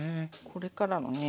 これからのね